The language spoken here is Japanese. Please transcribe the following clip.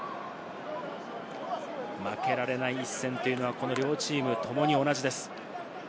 負けられない一戦というのは、この両チームともに同じです。